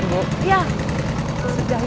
jangan sampai aku curi curi